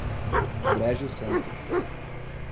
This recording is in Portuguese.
Brejo Santo